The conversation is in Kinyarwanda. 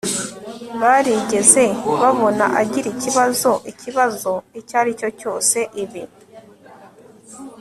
barigeze babona agira ikibazo ikibazo icyari cyo cyose ibi